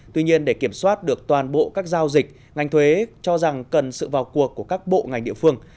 tuy nhiên để kiểm soát được toàn bộ các giao dịch ngành thuế cho rằng cần sự vào cuộc của các bộ ngành địa phương